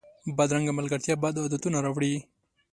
بدرنګه ملګرتیا بد عادتونه راوړي